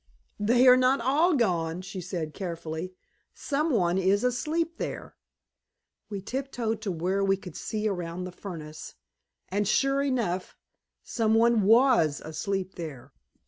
"They are not all gone," she said carefully. "Some one is asleep there." We tiptoed to where we could see around the furnace, and, sure enough, some one WAS asleep there.